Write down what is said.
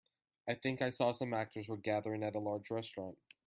I think I saw some actors were gathering at a large restaurant.